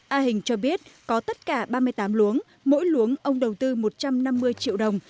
a hình cho biết có tất cả ba mươi tám luống mỗi luống ông đầu tư một trăm năm mươi triệu đồng